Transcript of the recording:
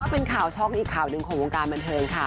เป็นข่าวช่องอีกข่าวหนึ่งของวงการบันเทิงค่ะ